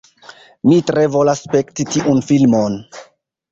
Mi tre volas spekti tiun filmon